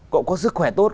cậu có sức khỏe tốt